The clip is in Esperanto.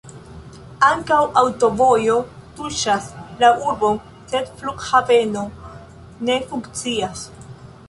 Ankaŭ aŭtovojo tuŝas la urbon, sed flughaveno ne funkcias.